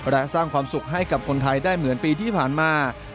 และสร้างความสุขให้กับคนไทยได้เหมือนปีที่ผ่านมา